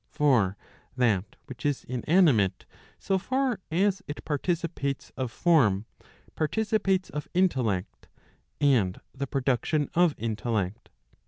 For that which is inanimate, so far as it parti¬ cipates of form, participates of intellect, and the production of intellect.